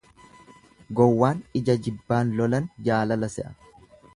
Gowwaan ija jibbaan lolan jaalala se'a.